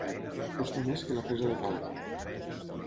Costar més que la presa de Calp.